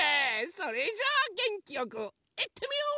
それじゃあげんきよくいってみよう！